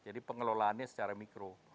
jadi pengelolaannya secara mikro